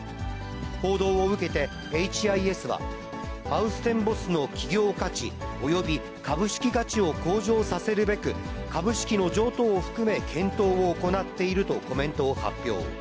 報道を受けてエイチ・アイ・エスは、ハウステンボスの企業価値、および株式価値を向上させるべく、株式の譲渡を含め、検討を行っているとコメントを発表。